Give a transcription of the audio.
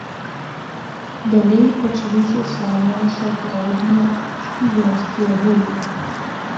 Далей пачаліся самыя сапраўдныя шпіёнскія гульні.